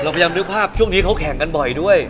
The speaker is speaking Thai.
พยายามนึกภาพช่วงนี้เขาแข่งกันบ่อยด้วย